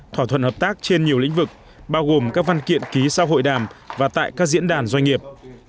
thỏa thuận hợp tác trên nhiều lĩnh vực bao gồm các văn kiện ký sau hội đàm và tại các diễn đàn doanh nghiệp